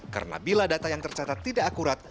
karena bila data yang tercatat tidak akurat